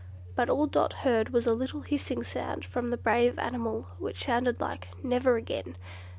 But all Dot heard was a little hissing sound from the brave animal, which sounded like, "Never again!"